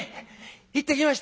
「行ってきました」。